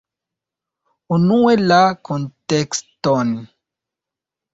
Unue la kuntekston.